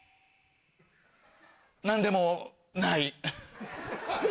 何でもない。